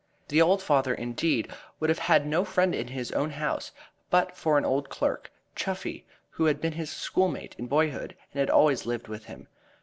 The old father, indeed, would have had no friend in his own house but for an old clerk, Chuffey, who had been his schoolmate in boyhood and had always lived with him.